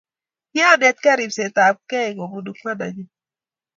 Kianetgei ribsetab gei kobunu kwandanyu